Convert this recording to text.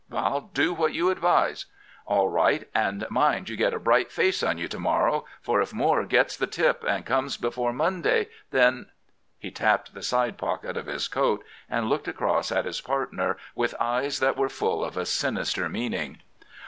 "'I'll do what you advise.' "'All right; and mind you get a bright face on you to morrow, for if Moore gets the tip and comes before Monday, then——' He tapped the side pocket of his coat and looked across at his partner with eyes that were full of a sinister meaning.